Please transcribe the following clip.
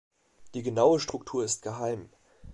Die genaue Struktur ist geheim.